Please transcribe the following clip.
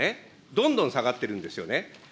どんどん下がってるんですよね。